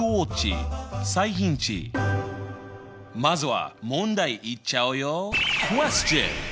まずは問題いっちゃうよ。